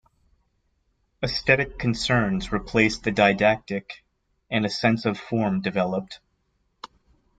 Aesthetic concerns replaced the didactic and a sense of form developed.